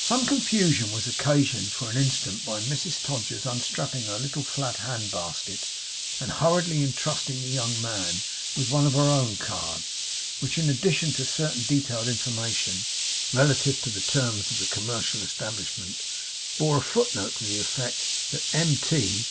Some confusion was occasioned for an instant by Mrs Todgers's unstrapping her little flat hand basket, and hurriedly entrusting the 'young man' with one of her own cards, which, in addition to certain detailed information relative to the terms of the commercial establishment, bore a foot note to the effect that M.